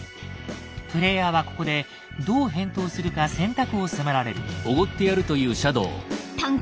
プレイヤーはここでどう返答するか選択を迫られる。